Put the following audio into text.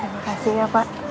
bapak udah sangat baik sama saya